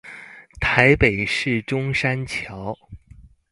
台北市中山橋